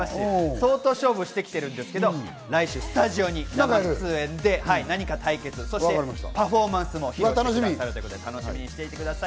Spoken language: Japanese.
相当勝負してきてるんですけど、来週スタジオに何か対決、そしてパフォーマンスも披露してくださるということで楽しみにしててください。